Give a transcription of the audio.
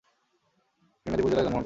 তিনি মেদিনীপুর জেলায় জন্মগ্রহণ করেন।